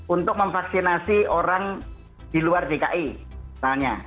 untuk memvaksinasi orang di luar dki misalnya